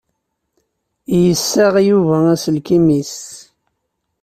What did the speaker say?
Yessaɣ Yuba aselkim-is.